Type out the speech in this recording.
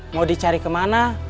mau dicari kemana